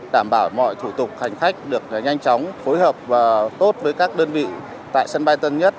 đảm bảo mọi thủ tục hành khách được nhanh chóng phối hợp và tốt với các đơn vị tại sân bay tân nhất